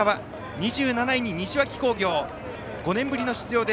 ２７位の西脇工業は５年ぶりの出場。